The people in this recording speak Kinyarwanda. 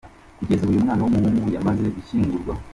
Kugeza ubu uyu mwana w’umuhungu yamaze gushyingurwa.